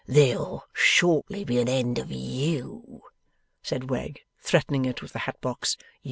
'There'll shortly be an end of YOU,' said Wegg, threatening it with the hat box.